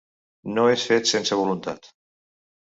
No és fet sense voluntat.